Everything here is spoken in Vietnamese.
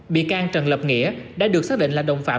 bị can trần lập nghĩa đã được xác định là đồng phạm